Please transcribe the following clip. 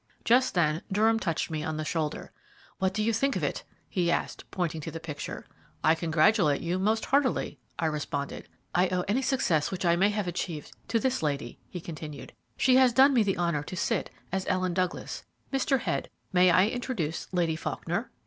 Just then Durham touched me on the shoulder. "What do you think of it?" he asked, pointing to the picture. "I congratulate you most heartily," I responded. "I owe any success which I may have achieved to this lady," he continued. "She has done me the honour to sit as Ellen Douglas. Mr. Head, may I introduce Lady Faulkner?"